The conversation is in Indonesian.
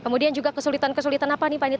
kemudian juga kesulitan kesulitan apa nih pak ini